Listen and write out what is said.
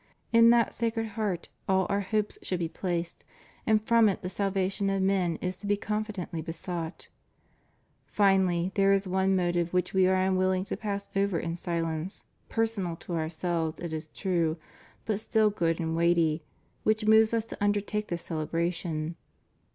In that Sacred Heart all our hopes should be placed, and from it the salvation of men is to be confidently besought. Finally, there is one motive which We are unwilling to pass over in silence, personal to Ourselves it is true, but still good and weighty, which moves Us to imdertake this celebration.